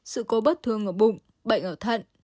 sự cố bất thương ở bụng bệnh ở thận